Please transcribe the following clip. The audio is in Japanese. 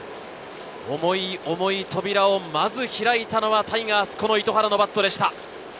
重い重い扉をまず開いたのはタイガース・糸原のバットでした。